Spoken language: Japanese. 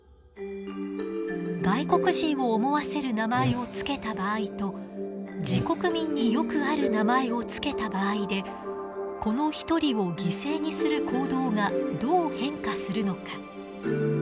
外国人を思わせる名前を付けた場合と自国民によくある名前を付けた場合でこの１人を犠牲にする行動がどう変化するのか。